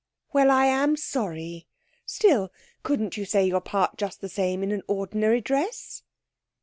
'Well, I am sorry! Still, couldn't you say your part just the same in an ordinary dress?'